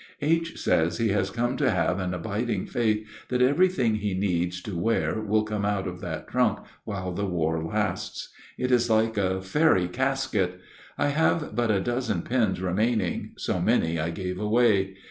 H. says he has come to have an abiding faith that everything he needs to wear will come out of that trunk while the war lasts. It is like a fairy casket. I have but a dozen pins remaining, so many I gave away.